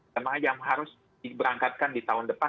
jemaah yang harus diberangkatkan di tahun depan